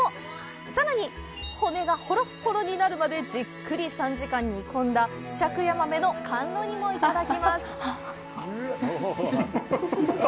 さらに、骨がホロホロになるまでじっくり３時間煮込んだ尺ヤマメの甘露煮もいただきます！